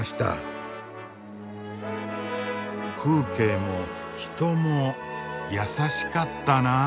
風景も人もやさしかったなあ。